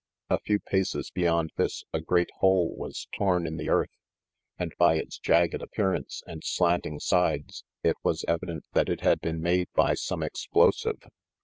A few pac'es beyond this a great hole was torn in the earth, and, by its jagged appearance and slanting sides, it was evident that it had been made by some explosive.